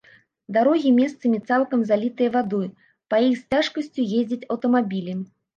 Дарогі месцамі цалкам залітыя вадой, па іх з цяжкасцю ездзяць аўтамабілі.